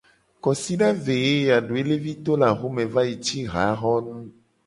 Kosida ve ye ya doelevi to le axome va yi ci haxonu.